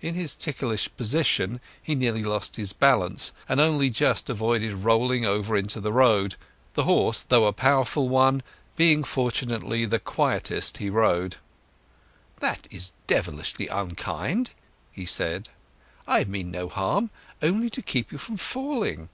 In his ticklish position he nearly lost his balance and only just avoided rolling over into the road, the horse, though a powerful one, being fortunately the quietest he rode. "That is devilish unkind!" he said. "I mean no harm—only to keep you from falling."